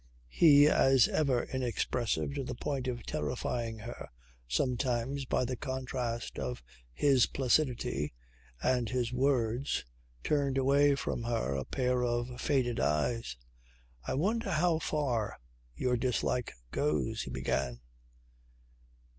He, as ever inexpressive to the point of terrifying her sometimes by the contrast of his placidity and his words, turned away from her a pair of faded eyes. "I wonder how far your dislike goes," he began.